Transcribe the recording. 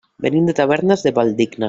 Venim de Tavernes de la Valldigna.